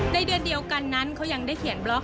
เดือนเดียวกันนั้นเขายังได้เขียนบล็อก